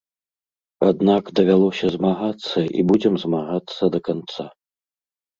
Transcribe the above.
Аднак, давялося змагацца і будзем змагацца да канца.